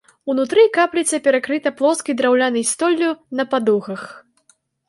Унутры капліца перакрыта плоскай драўлянай столлю на падугах.